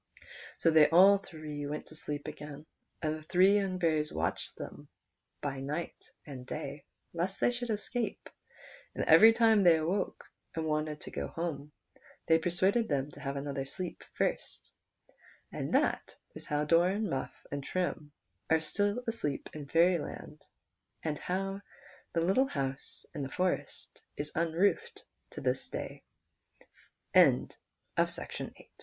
' So they all three went to sleep again, and the three young fairies watched by them night and day lest they should escape, and every time they woke and wanted to go home, they persuaded them to have another sleep first, and that is how Doran, ]\Iuff, and Trim are still asleep in Fairyland, and how the little hou